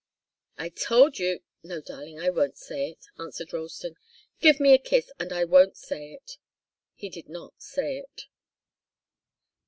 "I told you no, darling, I won't say it," answered Ralston. "Give me a kiss, and I won't say it." He did not say it.